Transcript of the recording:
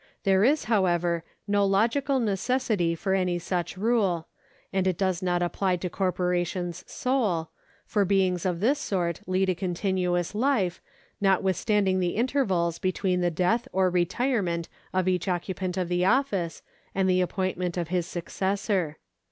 There is, however, no logical necessity for any such rule, and it docs not apply to corporations sole, for beings of this sort lead a continuous Hfe, notwithstanding the intervals between the death or retirement of each occupant of the office and the appointment of his successor.